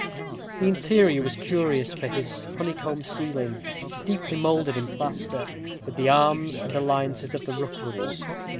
The interior was curious for his honeycomb ceiling, deeply moulded in plaster, with the arms and alliances of the Rookwoods.